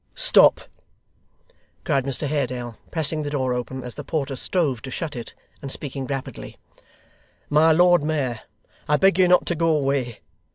'Stop!' cried Mr Haredale, pressing the door open as the porter strove to shut it, and speaking rapidly, 'My Lord Mayor, I beg you not to go away.